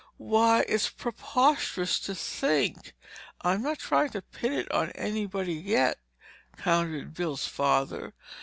Why, it's preposterous to think—" "I'm not trying to pin it on anybody yet," countered Bill's father.